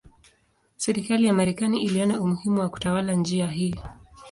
Serikali ya Marekani iliona umuhimu wa kutawala njia hii.